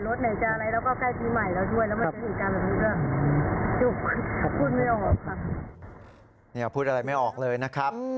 รู้จักกับเขานี้จะพูดอะไรไม่ออกเลยนะครับ